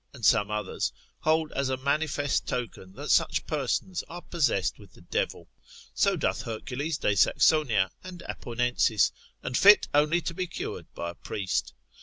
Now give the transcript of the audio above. and some others, hold as a manifest token that such persons are possessed with the devil; so doth Hercules de Saxonia, and Apponensis, and fit only to be cured by a priest.